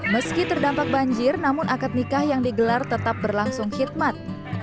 meski terdampak banjir namun akad nikah yang digelar tetap berlangsung khidmat